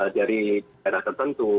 dari daerah tertentu